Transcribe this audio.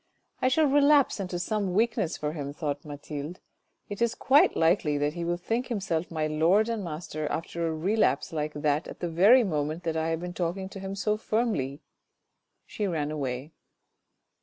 " I shall relapse into some weakness for him," thought Mathilde ;" it is quite likely that he will think himself my lord and master after a relapse like that at the very moment that I have been talking to him so firmly." She ran away.